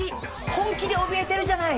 本気でおびえてるじゃない。